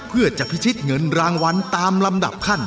เพื่อจะพิชิตเงินรางวัลตามลำดับขั้น